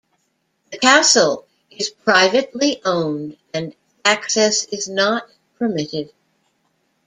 The castle is privately owned and access is not permitted.